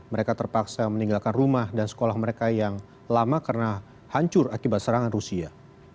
mereka terpaksa meninggalkan rumah dan sekolah mereka yang lama karena hancur akibat serangan rusia